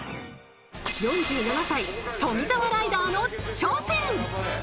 ４７歳、富澤ライダーの挑戦。